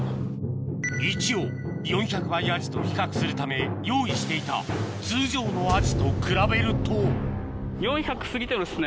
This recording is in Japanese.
一応４００倍アジと比較するため用意していた通常のアジと比べると４００過ぎてるっすね。